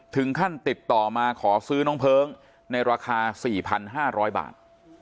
ติดต่อมาขอซื้อน้องเพลิงในราคา๔๕๐๐บาท